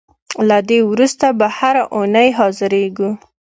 له دې وروسته به هر اوونۍ حاضرېږو.